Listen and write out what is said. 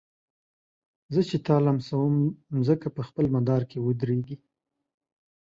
زه چي تا لمسوم مځکه په خپل مدار کي ودريږي